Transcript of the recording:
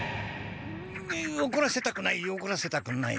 おこらせたくないおこらせたくない。